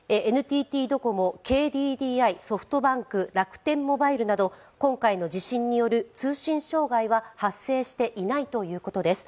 ＮＴＴドコモ、ＫＤＤＩ、ソフトバンク、楽天モバイルなど今回の地震による通信障害は発生していないということです。